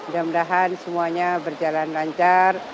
semoga semuanya berjalan lancar